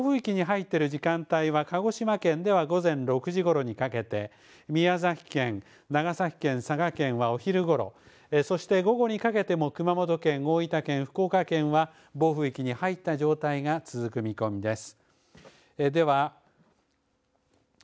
また暴風域に入っている時間帯は鹿児島県では午前６時ごろにかけて、宮崎県、長崎県、佐賀県はお昼ごろ、そして午後にかけても熊本県、大分県、福岡県は暴風域に入った状態が続く見込みです。